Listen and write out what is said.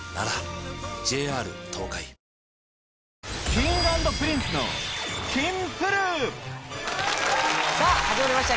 Ｋｉｎｇ＆Ｐｒｉｎｃｅのさぁ始まりました